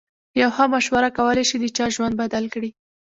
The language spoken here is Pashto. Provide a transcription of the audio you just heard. یوه ښه مشوره کولای شي د چا ژوند بدل کړي.